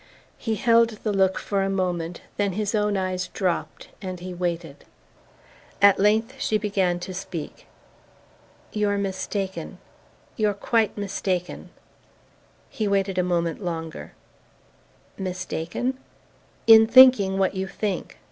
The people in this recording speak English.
He held the look for a moment; then his own eyes dropped and he waited. At length she began to speak. "You're mistaken you're quite mistaken." He waited a moment longer. "Mistaken ?" "In thinking what you think.